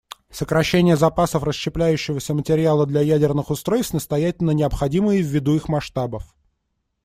Сокращение запасов расщепляющегося материала для ядерных устройств настоятельно необходимо и ввиду их масштабов.